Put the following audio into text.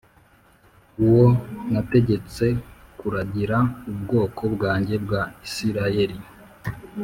uwo nategetse kuragira ubwoko bwanjye bwa Isirayeli